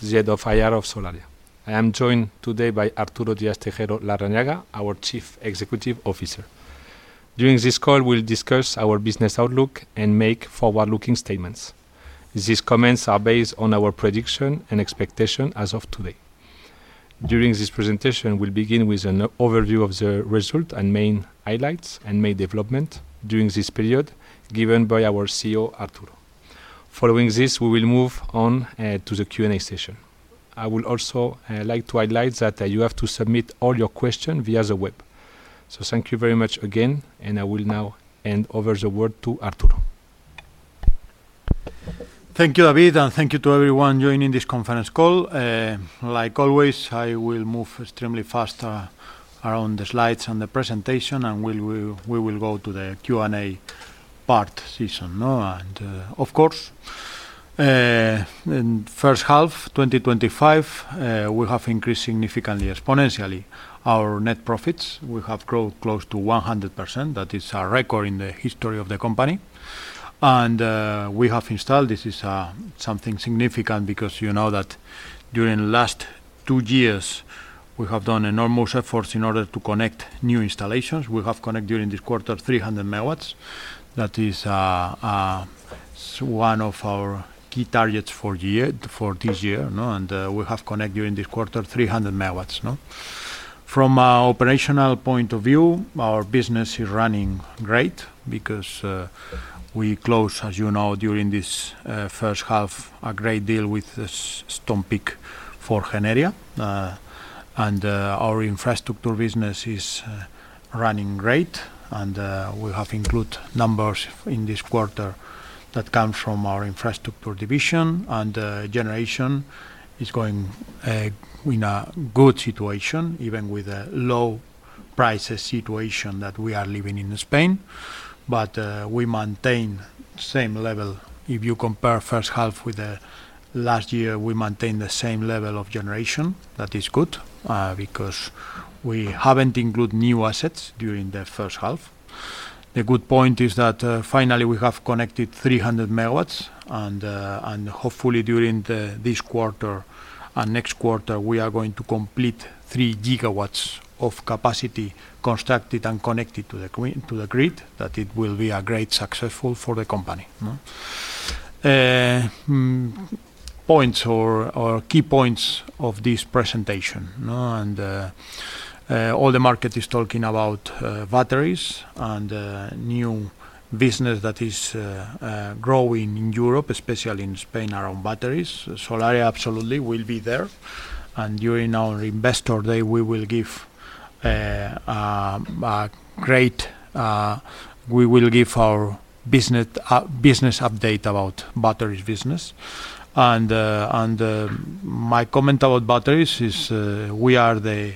This is the other file of Solaria. I am joined today by Arturo Diaz-Tejeiro Larrañaga, our Chief Executive Officer. During this call, we'll discuss our business outlook and make forward-looking statements. These comments are based on our prediction and expectation as of today. During this presentation, we'll begin with an overview of the result and main highlights and main developments during this period given by our CEO, Arturo. Following this, we will move on to the Q&A session. I would also like to highlight that you have to submit all your questions via the web. Thank you very much again, and I will now hand over the word to Arturo. Thank you, David, and thank you to everyone joining this conference call. Like always, I will move extremely fast around the slides and the presentation, and we will go to the Q&A part. Of course, in the first half, 2025, we have increased significantly exponentially. Our net profits will have grown close to 100%. That is a record in the history of the company. We have installed, this is something significant because you know that during the last two years, we have done enormous efforts in order to connect new installations. We have connected during this quarter 300 MW. That is one of our key targets for this year. We have connected during this quarter 300 MW. From an operational point of view, our business is running great because we closed, as you know, during this first half, a great deal with Stonepeak for Generia. Our infrastructure business is running great. We have included numbers in this quarter that come from our infrastructure division. Generation is going in a good situation, even with the low prices situation that we are living in Spain. We maintain the same level. If you compare the first half with the last year, we maintain the same level of generation. That is good because we haven't included new assets during the first half. The good point is that finally, we have connected 300 MW. Hopefully, during this quarter and next quarter, we are going to complete 3 GW of capacity constructed and connected to the grid. That will be a great success for the company. Points or key points of this presentation. All the market is talking about batteries and new business that is growing in Europe, especially in Spain around batteries. Solaria absolutely will be there. During our Investor Day, we will give a great business update about batteries business. My comment about batteries is we are the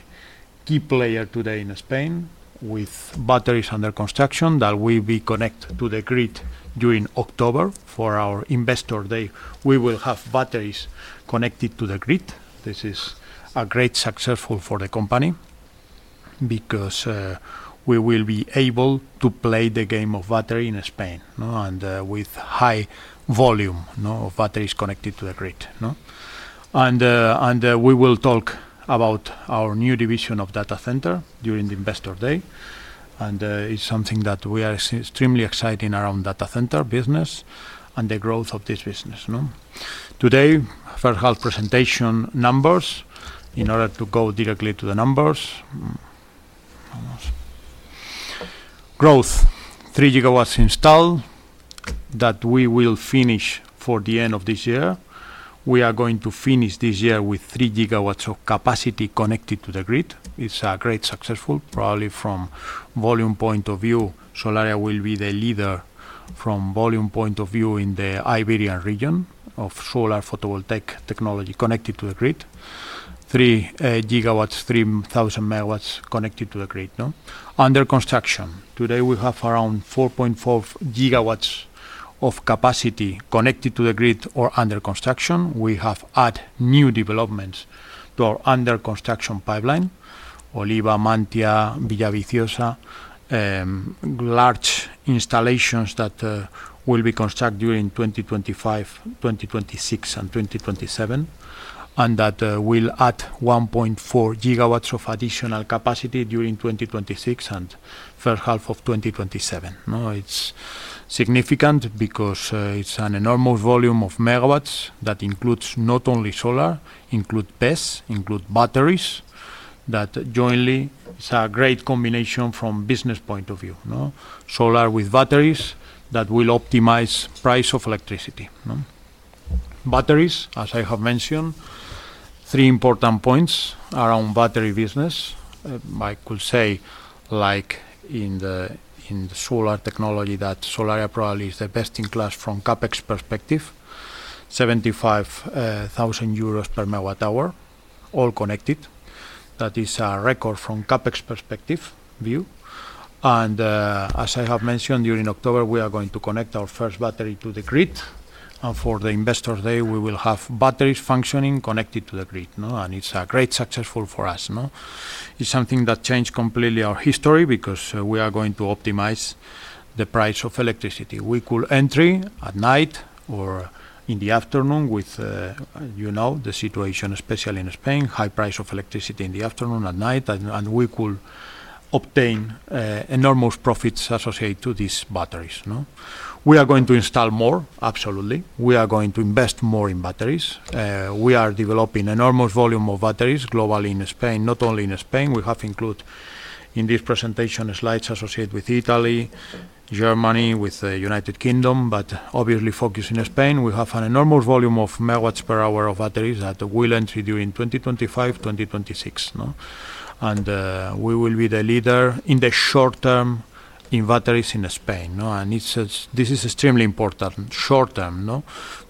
key player today in Spain with batteries under construction that will be connected to the grid during October. For our Investor Day, we will have batteries connected to the grid. This is a great success for the company because we will be able to play the game of battery in Spain and with high volume of batteries connected to the grid. We will talk about our new division of data centers during the Investor Day. It is something that we are extremely excited around data center business and the growth of this business. Today, first half presentation numbers. In order to go directly to the numbers, growth, 3 GW installed that we will finish for the end of this year. We are going to finish this year with 3 GW of capacity connected to the grid. It's a great success. Probably from a volume point of view, Solaria will be the leader from a volume point of view in the Iberian region of solar photovoltaic technology connected to the grid. 3 GW, 3,000 MW connected to the grid. Under construction, today we have around 4.4 GW of capacity connected to the grid or under construction. We have added new developments to our under construction pipeline, Oliva, Mantia, Villaviciosa, large installations that will be constructed during 2025, 2026, and 2027. That will add 1.4 GW of additional capacity during 2026 and first half of 2027. It's significant because it's an enormous volume of megawatts that includes not only solar, includes PES, includes batteries that jointly is a great combination from a business point of view. Solar with batteries that will optimize the price of electricity. Batteries, as I have mentioned, three important points around battery business. I could say, like in the solar technology, that Solaria probably is the best in class from a CAPEX perspective, 75,000 euros per megawatt hour, all connected. That is a record from a CAPEX perspective view. As I have mentioned, during October, we are going to connect our first battery to the grid. For the Investor Day, we will have batteries functioning connected to the grid. It's a great success for us. It's something that changed completely our history because we are going to optimize the price of electricity. We could enter at night or in the afternoon with, you know, the situation, especially in Spain, high price of electricity in the afternoon at night. We could obtain enormous profits associated to these batteries. We are going to install more, absolutely. We are going to invest more in batteries. We are developing an enormous volume of batteries globally in Spain, not only in Spain. We have included in this presentation slides associated with Italy, Germany, with the United Kingdom, but obviously focusing on Spain, we have an enormous volume of megawatts per hour of batteries that will enter during 2025, 2026. We will be the leader in the short term in batteries in Spain. This is extremely important. Short term,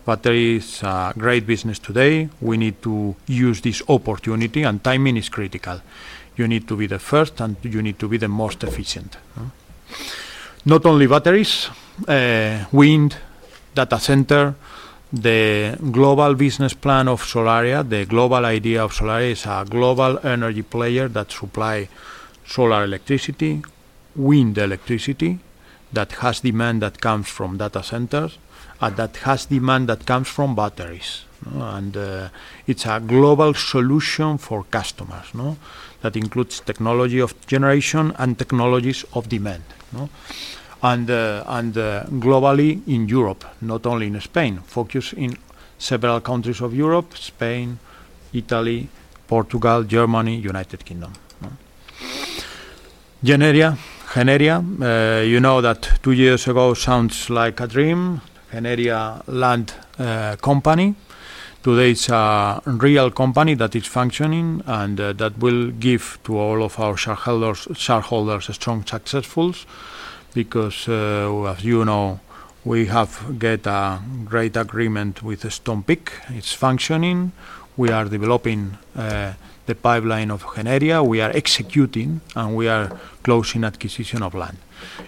batteries are a great business today. We need to use this opportunity, and timing is critical. You need to be the first, and you need to be the most efficient. Not only batteries, wind, data centers, the global business plan of Solaria, the global idea of Solaria is a global energy player that supplies solar electricity, wind electricity that has demand that comes from data centers and that has demand that comes from batteries. It is a global solution for customers that includes technology of generation and technologies of demand. Globally in Europe, not only in Spain, focusing on several countries of Europe: Spain, Italy, Portugal, Germany, United Kingdom. Generia, you know that two years ago sounded like a dream. Generia land a company. Today it's a real company that is functioning and that will give to all of our shareholders a strong success because, as you know, we have got a great agreement with Stonepeak. It's functioning. We are developing the pipeline of Generia. We are executing, and we are closing the acquisition of land.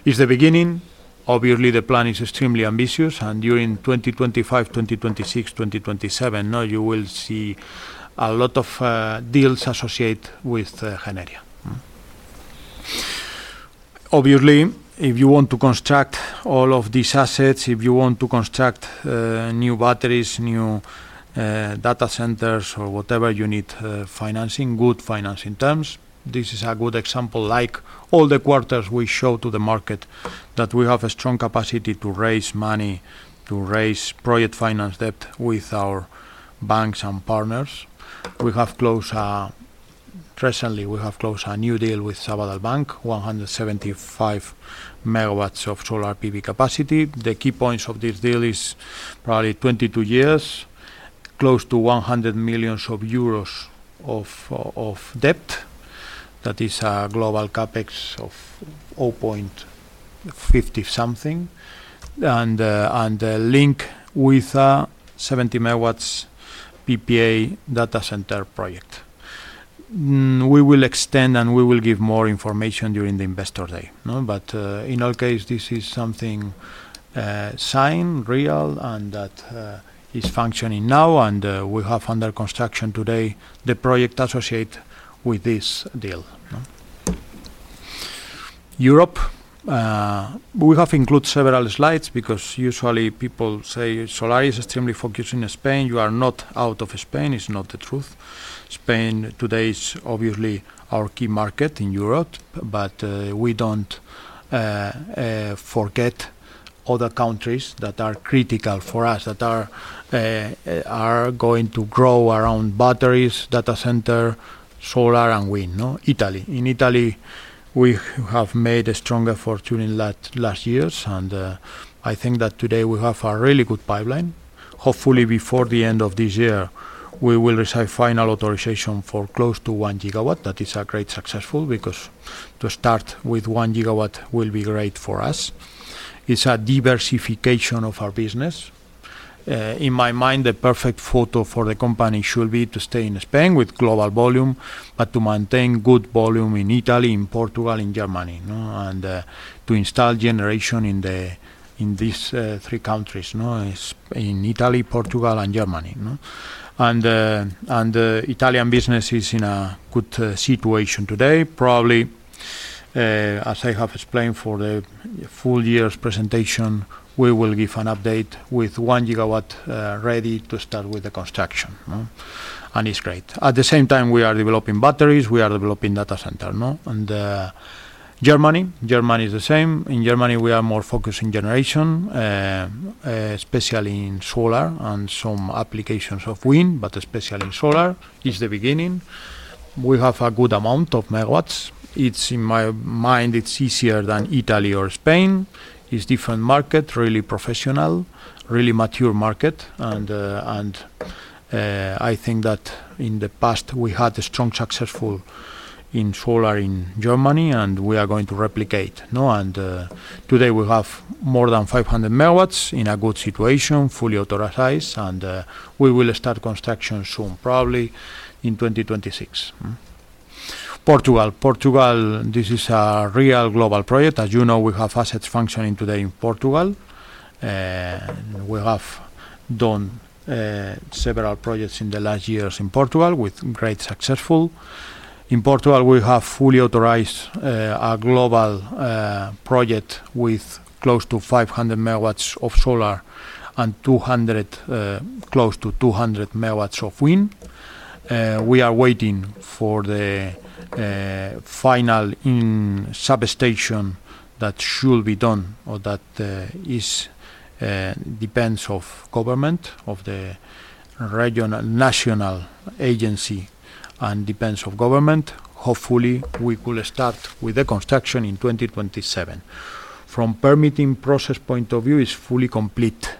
It's the beginning. Obviously, the plan is extremely ambitious. During 2025, 2026, 2027, you will see a lot of deals associated with Generia. Obviously, if you want to construct all of these assets, if you want to construct new batteries, new data centers, or whatever, you need financing, good financing terms. This is a good example. Like all the quarters, we show to the market that we have a strong capacity to raise money, to raise project finance debt with our banks and partners. We have closed a, presently, we have closed a new deal with Sabadell Bank, 175 MW of solar photovoltaic energy capacity. The key points of this deal are probably 22 years, close to 100 million euros of debt. That is a global CAPEX of 0.50 something, and the link with a 70 MW PPA data center project. We will extend, and we will give more information during the Investor Day. In our case, this is something signed, real, and that is functioning now. We have under construction today the project associated with this deal. Europe, we have included several slides because usually people say Solaria is extremely focused in Spain. You are not out of Spain. It's not the truth. Spain today is obviously our key market in Europe, but we don't forget other countries that are critical for us, that are going to grow around batteries, data centers, solar, and wind. Italy. In Italy, we have made a strong effort during the last years, and I think that today we have a really good pipeline. Hopefully, before the end of this year, we will receive final authorization for close to 1 GW. That is a great success because to start with 1 GW will be great for us. It's a diversification of our business. In my mind, the perfect photo for the company should be to stay in Spain with global volume, but to maintain good volume in Italy, in Portugal, in Germany, and to install generation in these three countries. It's in Italy, Portugal, and Germany. The Italian business is in a good situation today. Probably as I have explained for the full year's presentation, we will give an update with 1 GW ready to start with the construction. It's great. At the same time, we are developing batteries. We are developing data centers. Germany is the same. In Germany, we are more focused in generation, especially in solar and some applications of wind, but especially in solar. It's the beginning. We have a good amount of megawatts. In my mind, it's easier than Italy or Spain. It's a different market, really professional, really mature market. I think that in the past, we had a strong success in solar in Germany, and we are going to replicate. Today, we have more than 500 MW in a good situation, fully authorized. We will start construction soon, probably in 2026. Portugal, this is a real global project. As you know, we have assets functioning today in Portugal. We have done several projects in the last years in Portugal with great success. In Portugal, we have fully authorized a global project with close to 500 MW of solar and close to 200 MW of wind. We are waiting for the final substation that should be done or that depends on government, of the national agency, and depends on government. Hopefully, we could start with the construction in 2027. From a permitting process point of view, it's fully complete.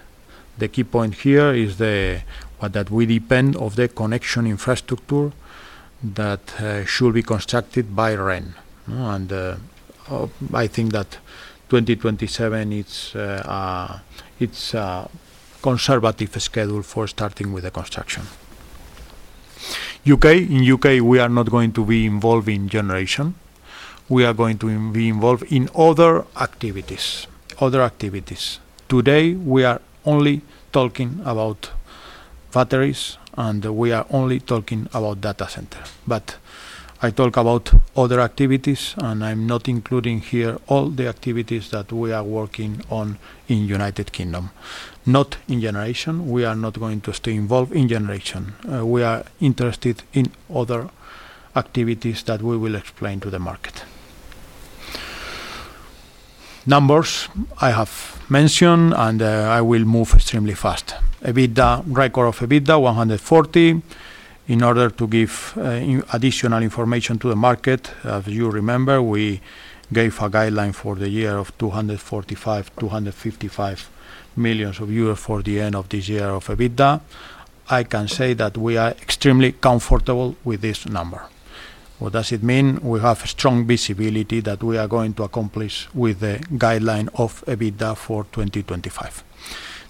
The key point here is that we depend on the connection infrastructure that should be constructed by REN. I think that 2027 is a conservative schedule for starting with the construction. In the U.K., we are not going to be involved in generation. We are going to be involved in other activities. Today, we are only talking about batteries, and we are only talking about data center. I talk about other activities, and I'm not including here all the activities that we are working on in the United Kingdom. Not in generation. We are not going to stay involved in generation. We are interested in other activities that we will explain to the market. Numbers I have mentioned, and I will move extremely fast. EBITDA, record of EBITDA 140 million. In order to give additional information to the market, as you remember, we gave a guideline for the year of 245 million euros, 255 million euros for the end of this year of EBITDA. I can say that we are extremely comfortable with this number. What does it mean? We have a strong visibility that we are going to accomplish with the guideline of EBITDA for 2025.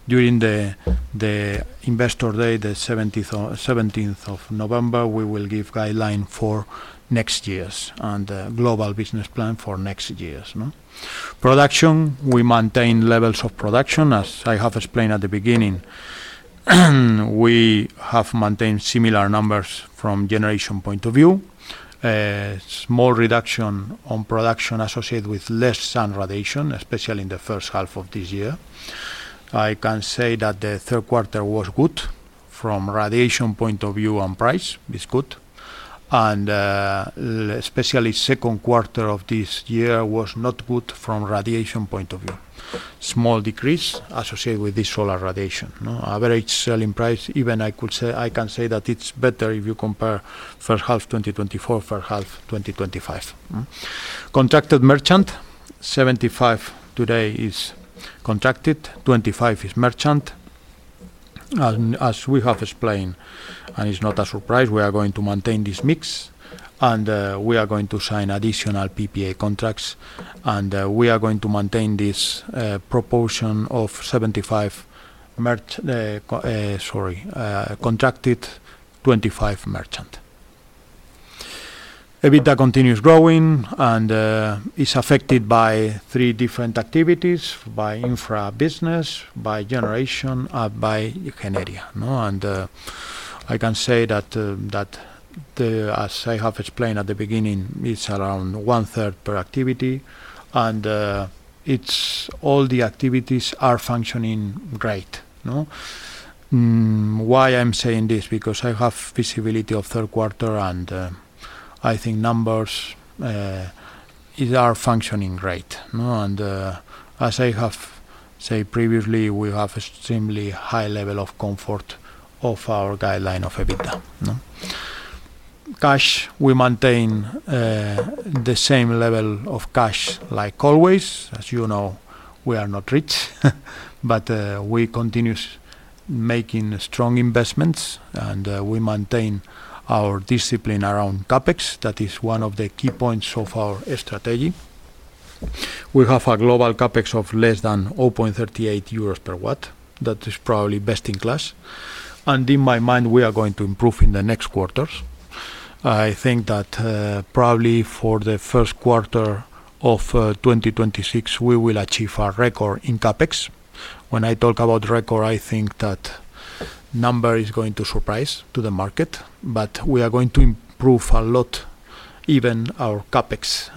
During the Investor Day, the 17th of November, we will give guideline for next year's and global business plan for next year's. Production, we maintain levels of production. As I have explained at the beginning, we have maintained similar numbers from a generation point of view. A small reduction on production associated with less sun radiation, especially in the first half of this year. I can say that the third quarter was good from a radiation point of view and price. It's good. Especially the second quarter of this year was not good from a radiation point of view. Small decrease associated with this solar radiation. Average selling price, even I could say I can say that it's better if you compare first half 2024 and first half 2025. Contracted merchant, 75% today is contracted, 25% is merchant. As we have explained, and it's not a surprise, we are going to maintain this mix. We are going to sign additional PPA contracts. We are going to maintain this proportion of 75% contracted, 25% merchant. EBITDA continues growing and is affected by three different activities: by infra business, by generation, and by Generia. I can say that, as I have explained at the beginning, it's around one-third per activity. All the activities are functioning great. Why I'm saying this? Because I have visibility of third quarter and I think numbers are functioning great. As I have said previously, we have an extremely high level of comfort of our guideline of EBITDA. Cash, we maintain the same level of cash like always. As you know, we are not rich, but we continue making strong investments. We maintain our discipline around CAPEX. That is one of the key points of our strategy. We have a global CAPEX of less than 0.38 euros per watt. That is probably best in class. In my mind, we are going to improve in the next quarters. I think that probably for the first quarter of 2026, we will achieve a record in CAPEX. When I talk about record, I think that the number is going to surprise the market. We are going to improve a lot, even our CAPEX.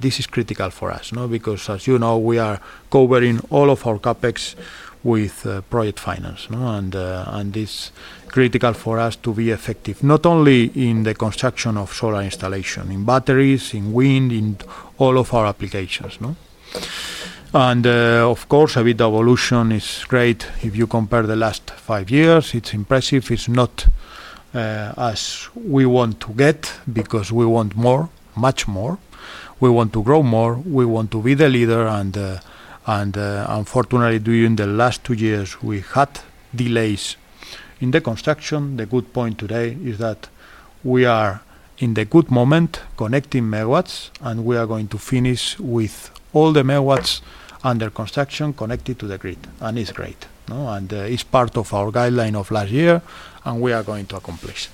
This is critical for us because, as you know, we are covering all of our CAPEX with project finance. This is critical for us to be effective, not only in the construction of solar installation, in battery storage, in wind energy, in all of our applications. Of course, a bit of evolution is great. If you compare the last five years, it's impressive. It's not as we want to get because we want more, much more. We want to grow more. We want to be the leader. Unfortunately, during the last two years, we had delays in the construction. The good point today is that we are in the good moment connecting megawatts, and we are going to finish with all the megawatts under construction connected to the grid. It's great. It's part of our guideline of last year, and we are going to accomplish.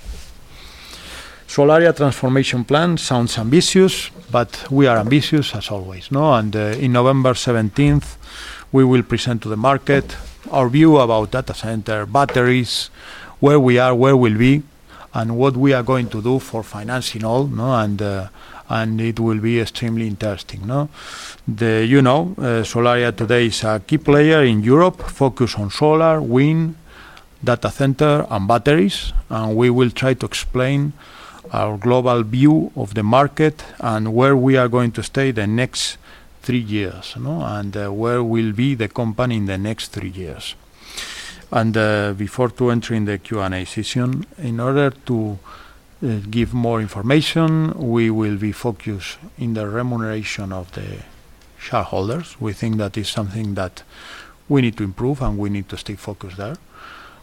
Solaria transformation plan sounds ambitious, but we are ambitious as always. On November 17th, we will present to the market our view about data centers, battery storage, where we are, where we'll be, and what we are going to do for financing all. It will be extremely interesting. You know, Solaria today is a key player in Europe, focused on solar, wind, data centers, and batteries. We will try to explain our global view of the market and where we are going to stay the next three years, and where we'll be the company in the next three years. Before entering the Q&A session, in order to give more information, we will be focused on the remuneration of the shareholders. We think that is something that we need to improve, and we need to stay focused there.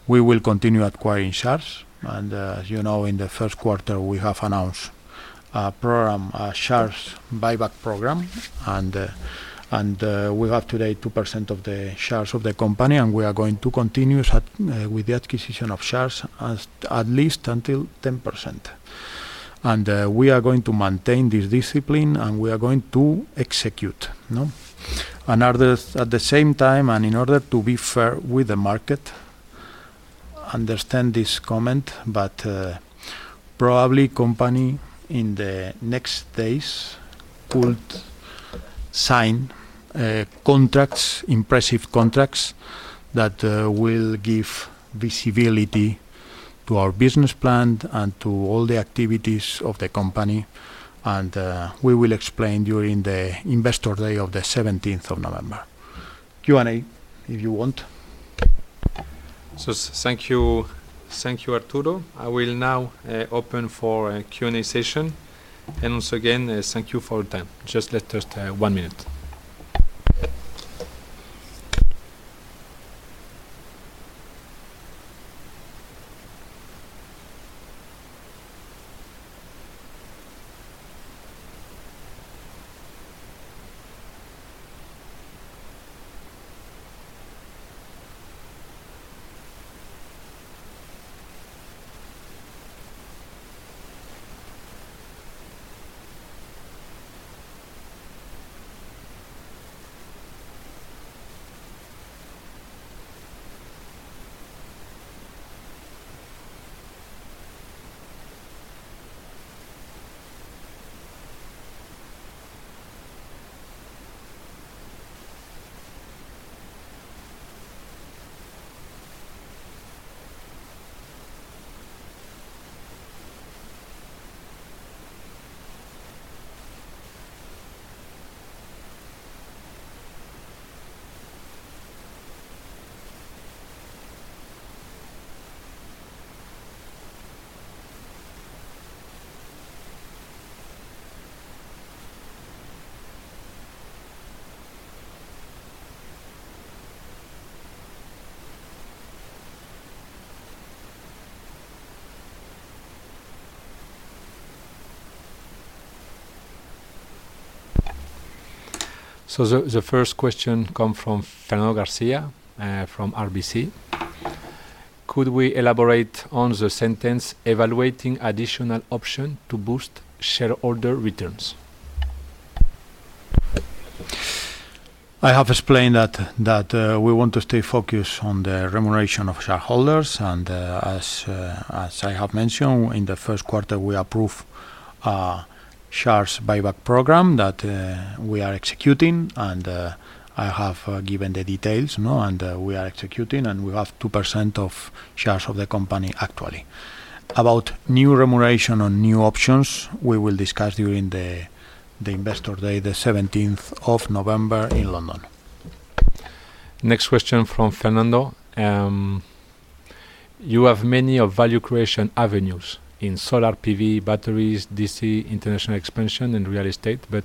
We will continue acquiring shares. As you know, in the first quarter, we have announced a share buyback program. We have today 2% of the shares of the company, and we are going to continue with the acquisition of shares at least until 10%. We are going to maintain this discipline, and we are going to execute. At the same time, in order to be fair with the market, understand this comment, but probably the company in the next days could sign impressive contracts that will give visibility to our business plan and to all the activities of the company. We will explain during the Investor Day of the 17th of November. Q&A, if you want. Thank you, thank you, Arturo. I will now open for a Q&A session. Once again, thank you for your time. Just let us one minute. The first question comes from Fernando Garcia from RBC.Could we elaborate on the sentence, evaluating additional options to boost shareholder returns? I have explained that we want to stay focused on the remuneration of shareholders. As I have mentioned, in the first quarter, we approved a share buyback program that we are executing. I have given the details, and we are executing. We have 2% of shares of the company, actually. About new remuneration or new options, we will discuss during the Investor Day, the 17th of November in London. Next question from Fernando. You have many value creation avenues in solar, PV, batteries, DC, international expansion, and real estate, but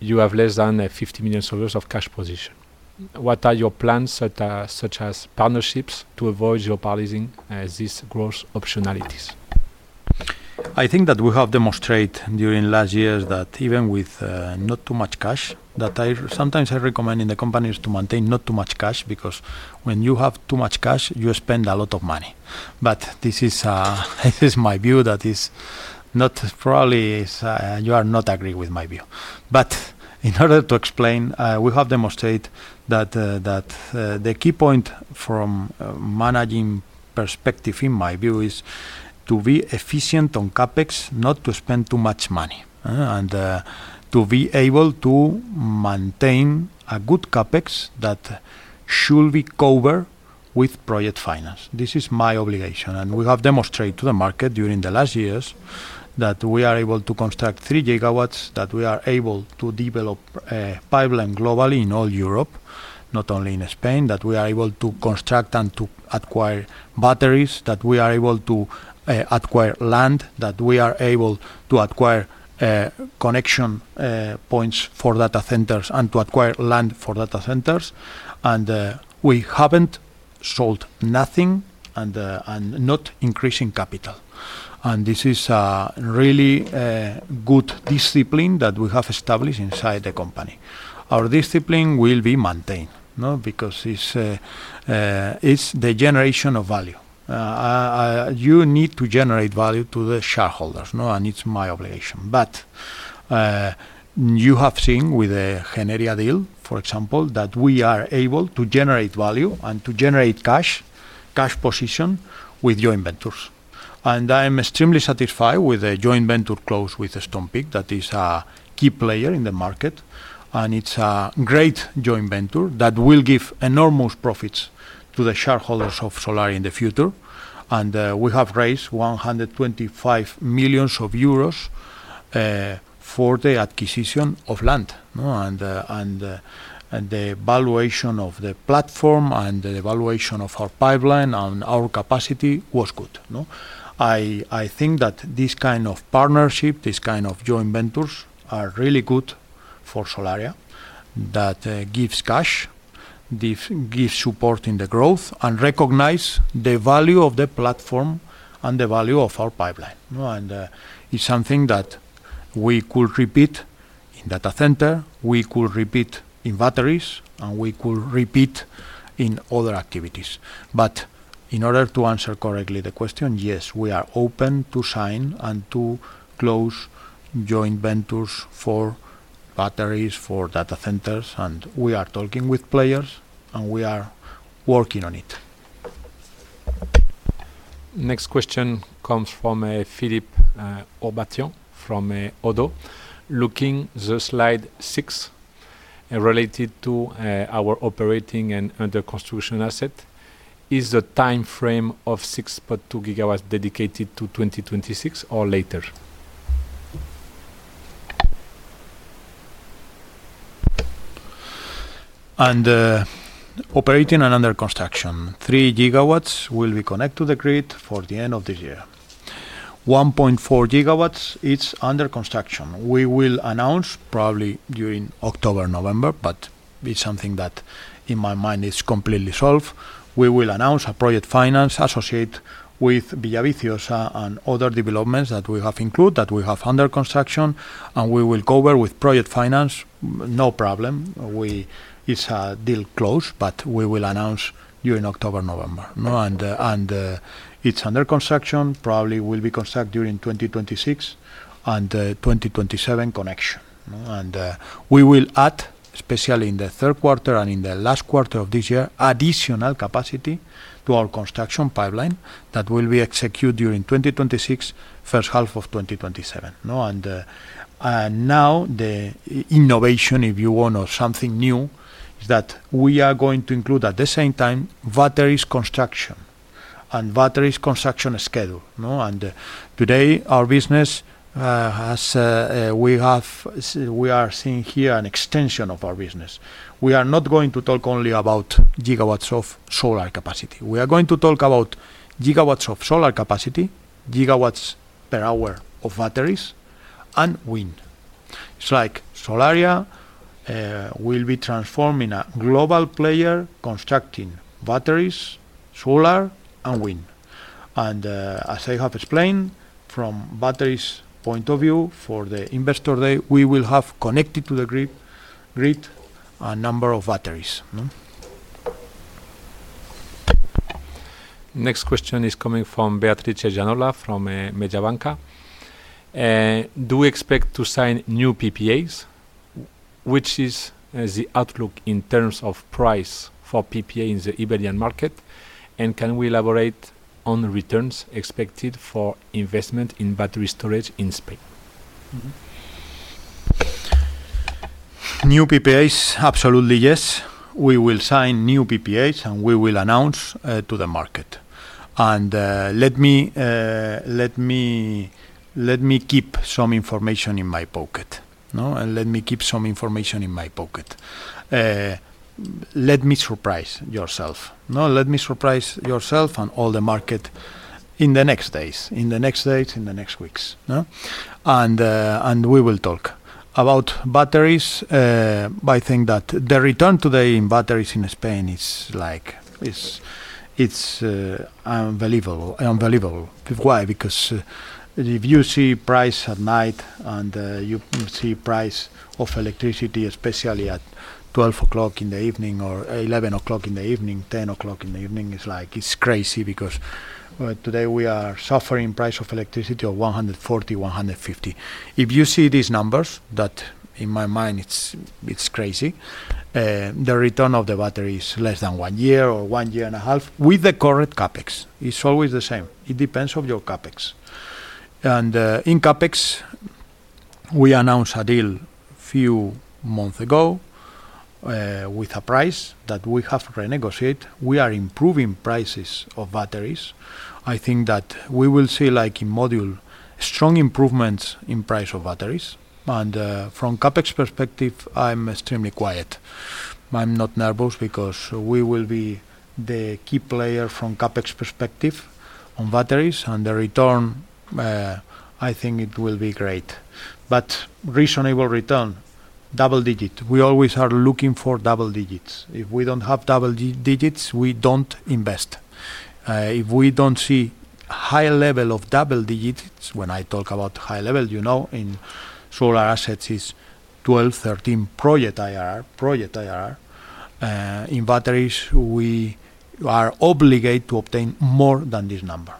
you have less than EUR 50 million of cash position. What are your plans, such as partnerships, to avoid jeopardizing these growth optionalities? I think that we have demonstrated during last years that even with not too much cash, that sometimes I recommend in the companies to maintain not too much cash because when you have too much cash, you spend a lot of money. This is my view that is not probably you are not agreeing with my view. In order to explain, we have demonstrated that the key point from a managing perspective, in my view, is to be efficient on CAPEX, not to spend too much money, and to be able to maintain a good CAPEX that should be covered with project finance. This is my obligation. We have demonstrated to the market during the last years that we are able to construct 3 GW, that we are able to develop a pipeline globally in all Europe, not only in Spain, that we are able to construct and to acquire batteries, that we are able to acquire land, that we are able to acquire connection points for data centers and to acquire land for data centers. We haven't sold nothing and not increasing capital. This is a really good discipline that we have established inside the company. Our discipline will be maintained because it's the generation of value. You need to generate value to the shareholders, and it's my obligation. You have seen with the Generia deal, for example, that we are able to generate value and to generate cash position with joint ventures. I'm extremely satisfied with the joint venture closed with Stonepeak. That is a key player in the market. It's a great joint venture that will give enormous profits to the shareholders of Solaria in the future. We have raised 125 million euros for the acquisition of land. The valuation of the platform and the valuation of our pipeline and our capacity was good. I think that this kind of partnership, this kind of joint ventures are really good for Solaria. That gives cash, gives support in the growth, and recognizes the value of the platform and the value of our pipeline. It's something that we could repeat in data centers, we could repeat in battery storage, and we could repeat in other activities. In order to answer correctly the question, yes, we are open to sign and to close joint ventures for battery storage, for data centers. We are talking with players, and we are working on it. Next question comes from Philippe Ourpatian from ODDO. Looking at slide six related to our operating and under construction asset, is the time frame of 6.2 GW dedicated to 2026 or later? Operating and under construction, 3 GW will be connected to the grid by the end of this year. 1.4 GW is under construction. We will announce probably during October, November, but it's something that in my mind is completely solved. We will announce a project finance associated with Villaviciosa and other developments that we have included, that we have under construction, and we will cover with project finance. No problem. It's a deal closed, but we will announce during October, November. It's under construction, probably will be constructed during 2026 and 2027 connection. We will add, especially in the third quarter and in the last quarter of this year, additional capacity to our construction pipeline that will be executed during 2026, first half of 2027. Now the innovation, if you want, or something new, is that we are going to include at the same time battery storage construction and battery storage construction schedule. Today, our business has, we have, we are seeing here an extension of our business. We are not going to talk only about gigawatts of solar capacity. We are going to talk about gigawatts of solar capacity, gigawatt-hours of battery storage, and wind energy. Solaria will be transforming into a global player, constructing battery storage, solar, and wind energy. As I have explained from the battery storage point of view for the Investor Day, we will have connected to the grid a number of batteries. Next question is coming from Beatrice Gianola from Mediobanca. Do we expect to sign new PPAs? Which is the outlook in terms of price for PPA in the Iberian market? Can we elaborate on returns expected for investment in battery storage in Spain? New PPAs, absolutely yes. We will sign new PPAs and we will announce to the market. Let me keep some information in my pocket. Let me surprise yourself and all the market in the next days, in the next weeks. We will talk. About batteries, I think that the return today in batteries in Spain is unbelievable. Why? Because if you see price at night and you see price of electricity, especially at 12:00 A.M. or 11:00 P.M., 10:00 P.M., it's crazy because today we are suffering price of electricity of 140, 150. If you see these numbers, in my mind, it's crazy. The return of the battery is less than one year or one year and a half with the correct CAPEX. It's always the same. It depends on your CAPEX. In CAPEX, we announced a deal a few months ago with a price that we have renegotiated. We are improving prices of batteries. I think that we will see, like in module, strong improvements in price of batteries. From CAPEX perspective, I'm extremely quiet. I'm not nervous because we will be the key player from CAPEX perspective on batteries. The return, I think it will be great. Reasonable return, double digit. We always are looking for double digits. If we don't have double digits, we don't invest. If we don't see a high level of double digits, when I talk about high level, you know, in solar assets is 12, 13 project IRR. In batteries, we are obligated to obtain more than this number.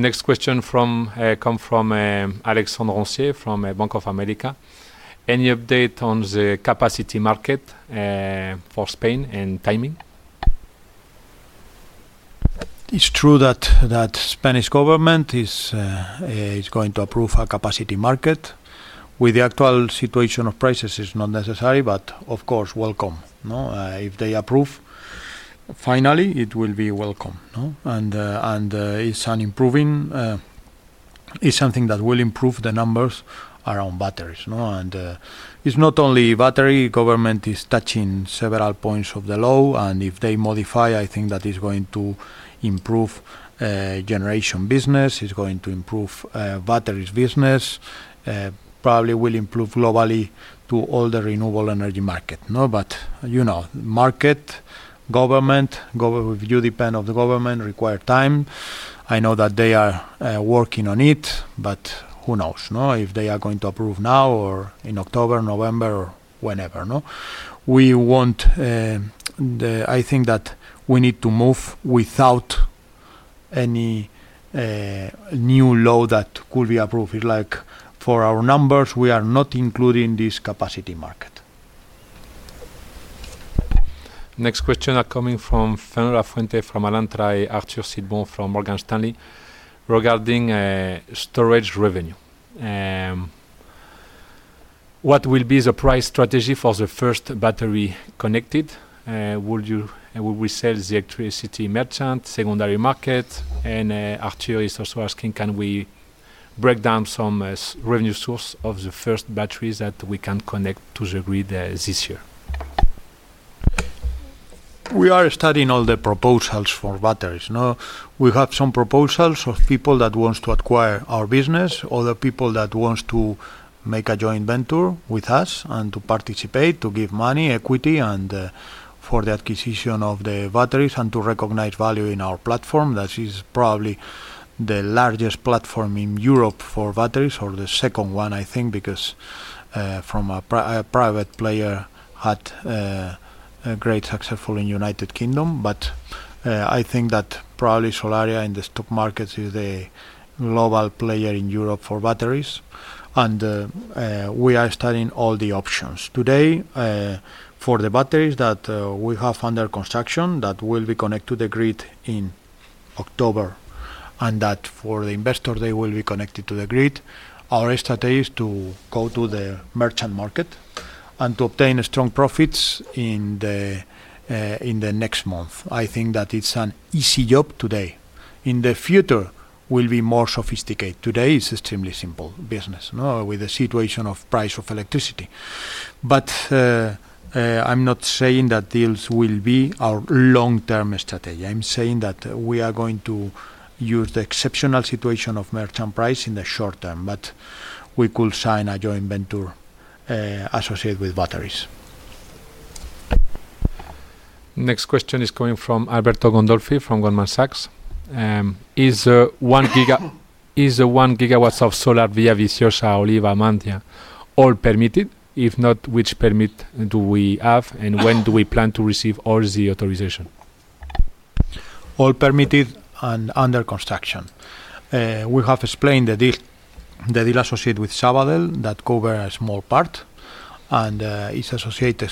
Next question comes from Alexandre Roncier from Bank of America. Any update on the capacity market for Spain and timing? It's true that the Spanish government is going to approve a capacity market. With the actual situation of prices, it's not necessary, but of course, welcome. If they approve, finally, it will be welcome. It's something that will improve the numbers around batteries. It's not only battery, the government is touching several points of the law. If they modify, I think that it's going to improve generation business. It's going to improve batteries business. Probably will improve globally to all the renewable energy market. You know, market, government, you depend on the government, require time. I know that they are working on it, but who knows if they are going to approve now or in October, November, whenever. We want, I think that we need to move without any new law that could be approved. It's like for our numbers, we are not including this capacity market. Next question coming from Fernando Lafuente from Alantra and Arthur Sitbon from Morgan Stanley regarding storage revenue. What will be the price strategy for the first battery connected? Will we sell the electricity merchant, secondary market? Arthur is also asking, can we break down some revenue source of the first batteries that we can connect to the grid this year? We are studying all the proposals for batteries. We have some proposals of people that want to acquire our business, other people that want to make a joint venture with us and to participate, to give money, equity, and for the acquisition of the batteries and to recognize value in our platform. This is probably the largest platform in Europe for batteries or the second one, I think, because from a private player had a great success in the United Kingdom. I think that probably Solaria in the stock market is a global player in Europe for batteries. We are studying all the options today for the batteries that we have under construction that will be connected to the grid in October. For the investor, they will be connected to the grid, our strategy is to go to the merchant market and to obtain strong profits in the next month. I think that it's an easy job today. In the future, it will be more sophisticated. Today is extremely simple business with the situation of price of electricity. I'm not saying that deals will be our long-term strategy. I'm saying that we are going to use the exceptional situation of merchant price in the short term. We could sign a joint venture associated with batteries. Next question is coming from Alberto Gandolfi from Goldman Sachs. Is the 1 GWof solar Villaviciosa, Oliva, Mantia, all permitted? If not, which permit do we have and when do we plan to receive all the authorization? All permitted and under construction. We have explained the deal associated with Sabadell Bank that covers a small part and is associated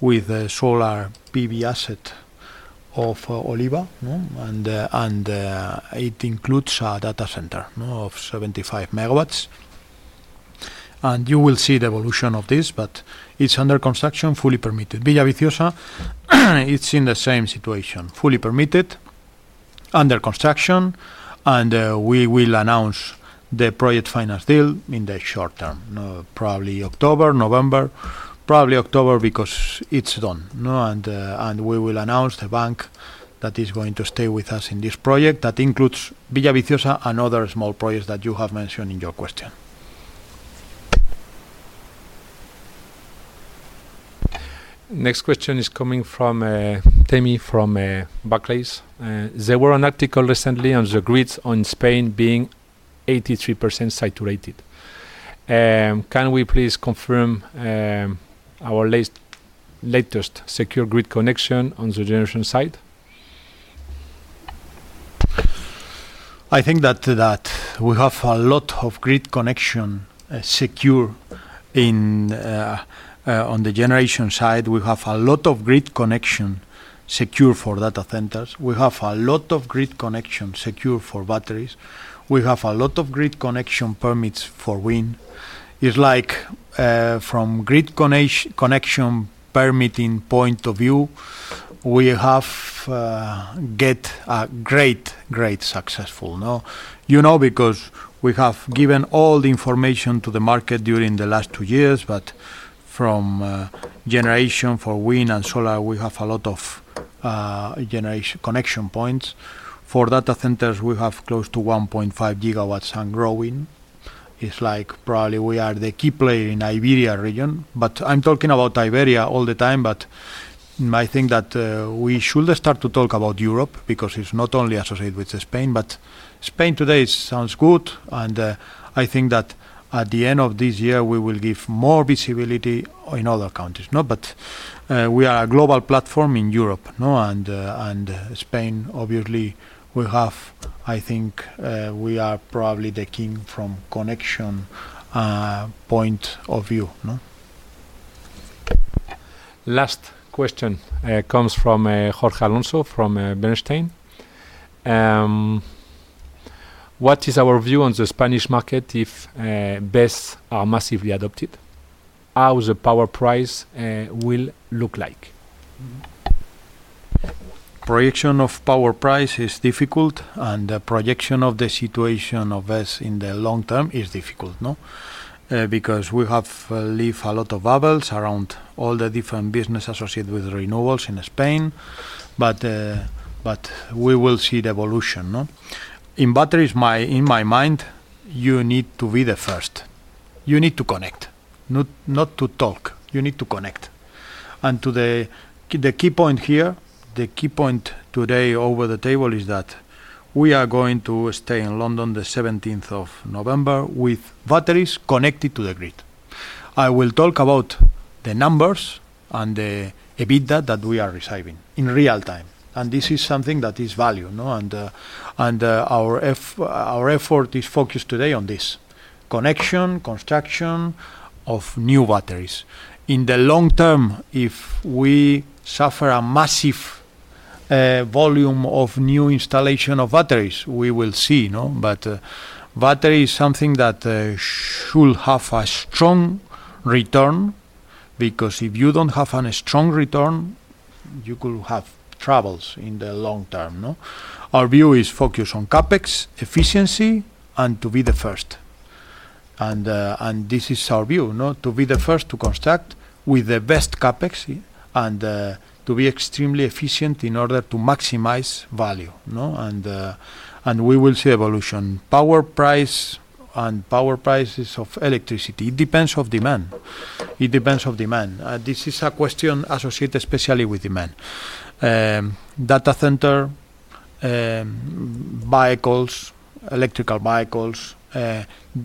with the solar PV asset of Oliva. It includes a data center of 75 MW. You will see the evolution of this, but it's under construction, fully permitted. Villaviciosa is in the same situation, fully permitted, under construction. We will announce the project finance deal in the short term, probably October or November. Probably October because it's done. We will announce the bank that is going to stay with us in this project that includes Villaviciosa and other small projects that you have mentioned in your question. Next question is coming from Temi from Barclays. There was an article recently on the grids in Spain being 83% saturated. Can we please confirm our latest secure grid connection on the generation side? I think that we have a lot of grid connection secured on the generation side. We have a lot of grid connection secured for data centers. We have a lot of grid connection secured for batteries. We have a lot of grid connection permits for wind. From grid connection permitting point of view, we have had a great, great success. You know, because we have given all the information to the market during the last two years. From generation for wind and solar, we have a lot of connection points. For data centers, we have close to 1.5 gigawatts and growing. Probably we are the key player in the Iberian region. I'm talking about Iberia all the time. I think that we should start to talk about Europe because it's not only associated with Spain. Spain today sounds good. I think that at the end of this year, we will give more visibility in other countries. We are a global platform in Europe. Spain, obviously, we have, I think we are probably the king from connection point of view. Last question comes from Jorge Alonso from Bernstein. What is our view on the Spanish market if battery storage systems are massively adopted? How will the power price look like? Projection of power price is difficult. The projection of the situation of battery storage systems in the long term is difficult. We have lived a lot of bubbles around all the different businesses associated with renewables in Spain. We will see the evolution. In batteries, in my mind, you need to be the first. You need to connect. Not to talk. You need to connect. The key point here, the key point today over the table is that we are going to stay in London the 17th of November with batteries connected to the grid. I will talk about the numbers and the EBITDA that we are receiving in real time. This is something that is valued. Our effort is focused today on this: connection, construction of new batteries. In the long term, if we suffer a massive volume of new installation of batteries, we will see. Battery is something that should have a strong return because if you don't have a strong return, you could have troubles in the long term. Our view is focused on CAPEX, efficiency, and to be the first. This is our view, to be the first to construct with the best CAPEX and to be extremely efficient in order to maximize value. We will see evolution. Power price and power prices of electricity depend on demand. It depends on demand. This is a question associated especially with demand. Data centers, electrical vehicles,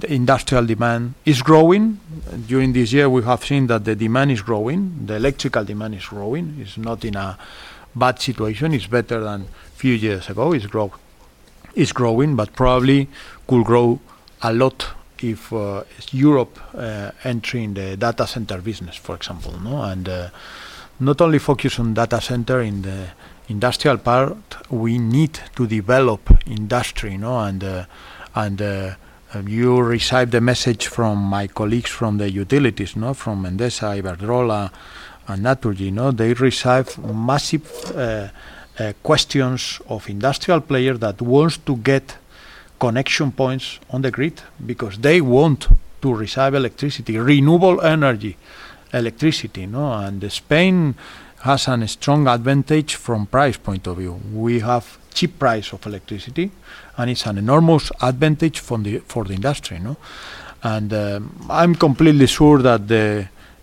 industrial demand is growing. During this year, we have seen that the demand is growing. The electrical demand is growing. It's not in a bad situation. It's better than a few years ago. It's growing. It probably could grow a lot if Europe entered in the data center business, for example. Not only focus on data centers in the industrial part, we need to develop industry. You receive the message from my colleagues from the utilities, from Mendoza, Iberdrola, and Naturgy. They receive massive questions of industrial players that want to get connection points on the grid because they want to receive electricity, renewable energy, electricity. Spain has a strong advantage from a price point of view. We have a cheap price of electricity, and it's an enormous advantage for the industry. I'm completely sure that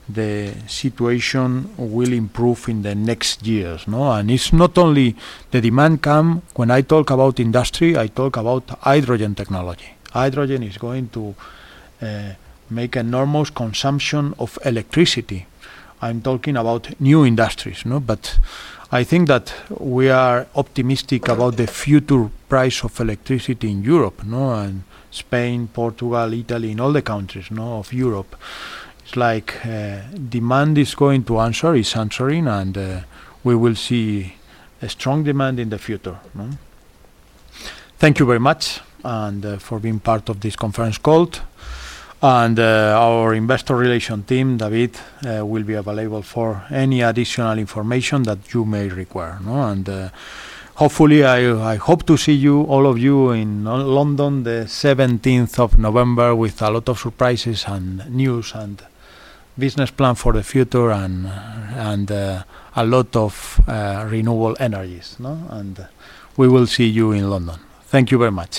the situation will improve in the next years. It's not only the demand come. When I talk about industry, I talk about hydrogen technology. Hydrogen is going to make enormous consumption of electricity. I'm talking about new industries. I think that we are optimistic about the future price of electricity in Europe. Spain, Portugal, Italy, and all the countries of Europe, it's like demand is going to answer, is answering, and we will see a strong demand in the future. Thank you very much for being part of this conference call. Our Investor Relations team, David, will be available for any additional information that you may require. Hopefully, I hope to see you, all of you, in London the 17th of November with a lot of surprises and news and business plans for the future and a lot of renewable energies. We will see you in London. Thank you very much.